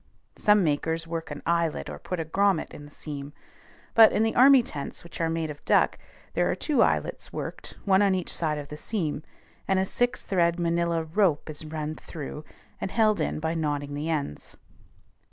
Some makers work an eyelet or put a grommet in the seam; but, in the army tents which are made of duck, there are two eyelets worked, one on each side of the seam, and a six thread manilla rope is run through and held in by knotting the ends.